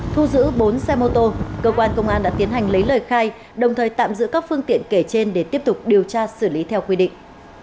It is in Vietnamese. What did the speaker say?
thu giữ bốn xe mô tô cơ quan công an đã tiến hành lấy lời khai đồng thời tạm giữ các phương tiện kể trên để tiếp tục điều tra xử lý theo quy định